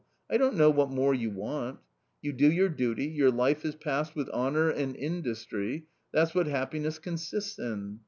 I don't know wHaT more you want ? You do your duty, your life is passed with honour and industry — that's what happiness consists in